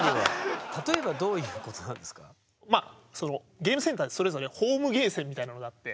ゲームセンターにそれぞれホームゲーセンみたいのがあって。